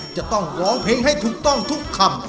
จะต้องร้องเพลงให้ถูกต้องทุกคำ